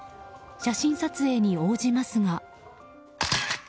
写真撮影に応じますが。